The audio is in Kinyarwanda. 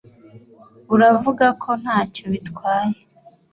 uravuga ko ntacyo bitwaye